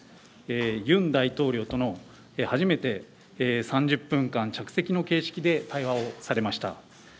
ユン大統領との初めて３０分間、着席の形式で対話をされました。